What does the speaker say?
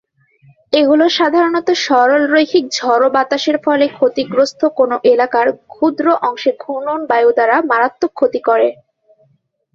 এগুলো সাধারণত সরল-রৈখিক ঝড়ো বাতাসের ফলে ক্ষতিগ্রস্ত কোন এলাকার ক্ষুদ্র অংশে ঘূর্ণন বায়ু দ্বারা মারাত্মক ক্ষতি করে।